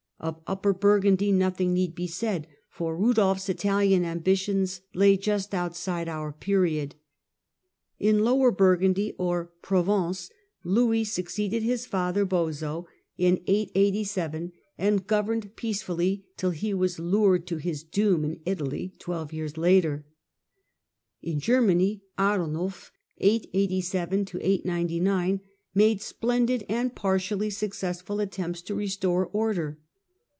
Of Upper Burgundy nothing need be said, for Rudolph's Italian ambitions lie just outside our period. In Lower Burgundy or Provence Louis succeeded his father, Boso, 218 THE DAWN OF MEDIEVAL EUROPE in 887, and governed peacefully till he was lured to his doom in Italy twelve years later. ArniiH; In Germany Arnulf made splendid, and partially successful, attempts to restore order.